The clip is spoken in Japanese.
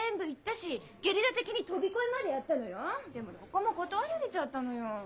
でもどこも断られちゃったのよ。